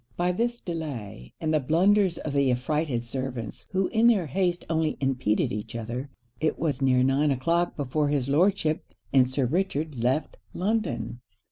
By this delay, and the blunders of the affrighted servants, who in their haste only impeded each other, it was near nine o'clock before his Lordship and Sir Richard left London.